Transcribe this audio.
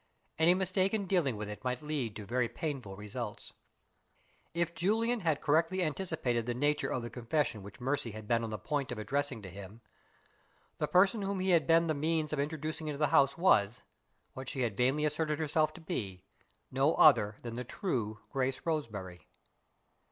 Any mistake in dealing with it might lead to very painful results. If Julian had correctly anticipated the nature of the confession which Mercy had been on the point of addressing to him, the person whom he had been the means of introducing into the house was what she had vainly asserted herself to be no other than the true Grace Roseberry.